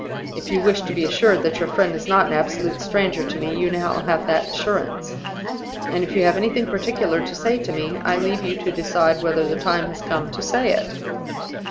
If you wish to be assured that your friend is not an absolute stranger to me, you now have that assurance; and if you have anything particular to say to me, I leave you to decide whether the time has come to say it.